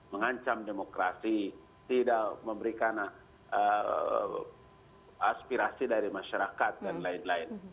mengancam demokrasi tidak memberikan aspirasi dari masyarakat dan lain lain